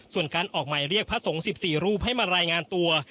ส่วนการออกหมายเรียกพระสงฆ์๑๔รูปให้มารายงานตัว